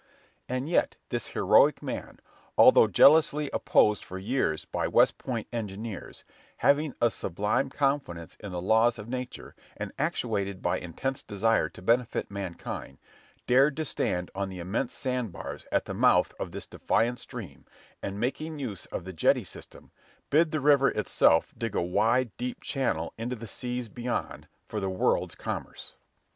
And yet this heroic man, although jealously opposed for years by West Point engineers, having a sublime confidence in the laws of nature, and actuated by intense desire to benefit mankind, dared to stand on the immense sand bars at the mouth of this defiant stream, and, making use of the jetty system, bid the river itself dig a wide, deep channel into the seas beyond, for the world's commerce.